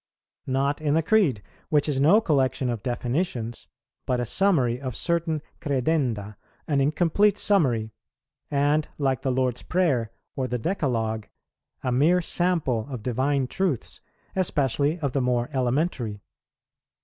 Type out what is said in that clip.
Not in the Creed, which is no collection of definitions, but a summary of certain credenda, an incomplete summary, and, like the Lord's Prayer or the Decalogue, a mere sample of divine truths, especially of the more elementary.